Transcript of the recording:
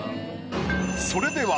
それでは。